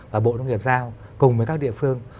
trong nhiệm giao cùng với các địa phương